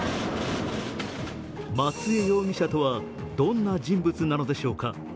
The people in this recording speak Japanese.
松江容疑者とはどんな人物なのでしょうか。